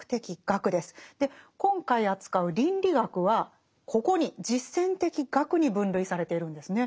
今回扱う倫理学はここに実践的学に分類されているんですね。